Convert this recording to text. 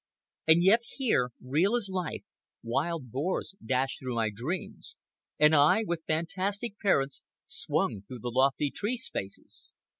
And yet here, real as life, wild boars dashed through my dreams, and I, with fantastic parents, swung through the lofty tree spaces.